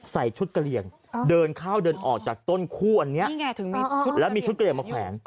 ใส่ชุดกระเหลี่ยงเดินเข้าเดินออกจากต้นคู่อันนี้แล้วมีชุดกระเหลี่มาแขวน